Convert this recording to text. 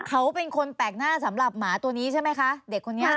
เขาเป็นคนแปลกหน้าสำหรับหมาตัวนี้ใช่ไหมคะเด็กคนนี้